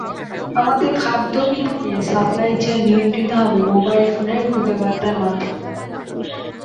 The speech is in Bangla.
আমাদের খাদ্য বিতানের সাপ্লাই চেইন নিয়ন্ত্রিত হবে মোবাইল ফোনের খুদেবার্তার মাধ্যমে।